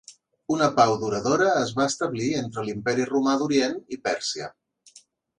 Una pau duradora es va establir entre l'Imperi Romà d'Orient i Pèrsia.